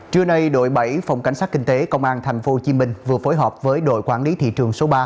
trưa nay đội bảy phòng cảnh sát kinh tế công an tp hcm vừa phối hợp với đội quản lý thị trường số ba